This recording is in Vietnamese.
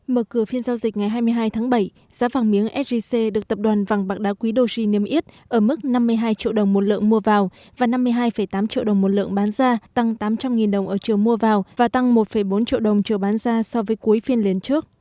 mở cửa phiên giao dịch ngày hai mươi hai tháng bảy giá vàng miếng sgc được tập đoàn vàng bạc đá quý doji niêm yết ở mức năm mươi hai triệu đồng một lượng mua vào và năm mươi hai tám triệu đồng một lượng bán ra tăng tám trăm linh đồng ở chiều mua vào và tăng một bốn triệu đồng chiều bán ra so với cuối phiên liên trước